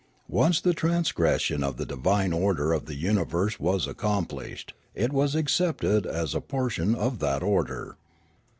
Once the transgression of the divine order of the univers^ was accomplished, it was accepted as a portion of that order.